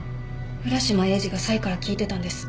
浦島エイジがサイから聞いてたんです。